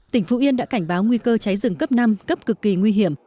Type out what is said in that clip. tỉnh phú yên đã cảnh báo nguy cơ cháy rừng cấp năm cấp cực kỳ nguy hiểm